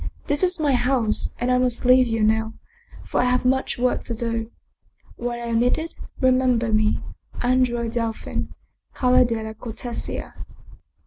This is my house, and I must leave you now, for I have much work to do. When I am needed, remember me : Andrea Delfin, Calle della Cortesia."